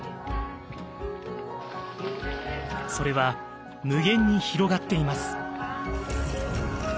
それは無限に広がっています。